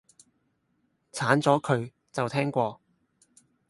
鏟咗佢，就聽過